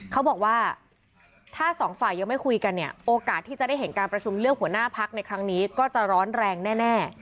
เขาบอกว่าถ้าสองฝ่ายยังไม่คุยกันเนี่ยโอกาสที่จะได้เห็นการประชุมเลือกหัวหน้าพักในครั้งนี้ก็จะร้อนแรงแน่